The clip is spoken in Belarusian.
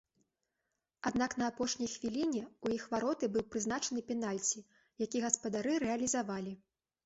Аднак на апошняй хвіліне ў іх вароты быў прызначаны пенальці, які гаспадары рэалізавалі.